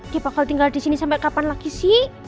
dia bakal tinggal di sini sampai kapan lagi sih